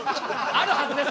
あるはずです。